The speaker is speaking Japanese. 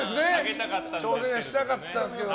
挑戦者にしたかったんですけど。